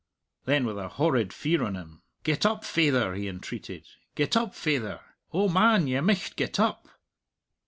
Then with a horrid fear on him, "Get up, faither," he entreated; "get up, faither! O man, you micht get up!"